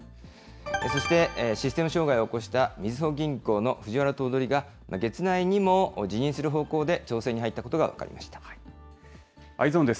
そして、システム障害を起こしたみずほ銀行の藤原頭取が月内にも辞任する方向で調整に入ったことＥｙｅｓｏｎです。